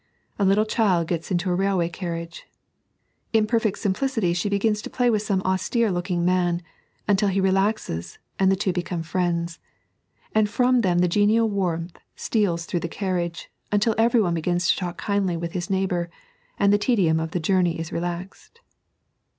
A little child gets into a railway carriage. In perfect simplicity she begins to play with some austere looking man, until he relaxes and the two become friends; and from them the genial warmth steals through the curiage, until everyone begins to talk kindly with his neighbour, and the tedium of the journey is relaxed.